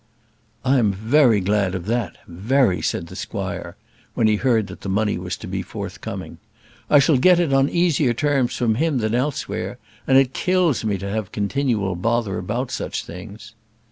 "I am very glad of that, very," said the squire, when he heard that the money was to be forthcoming. "I shall get it on easier terms from him than elsewhere; and it kills me to have continual bother about such things."